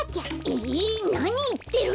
えなにいってるの！